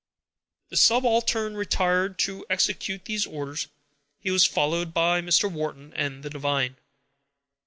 The subaltern retired to execute these orders; he was followed by Mr. Wharton and the divine.